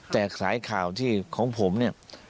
แต่สายข่าวที่ของผมเนี่ย